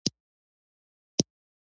یو له ډېرو عصري رسټورانټونو څخه دی.